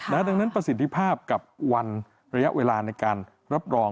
ดังนั้นประสิทธิภาพกับวันระยะเวลาในการรับรอง